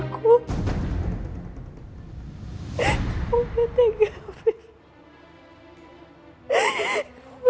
kayanya dia ke toilet deh ma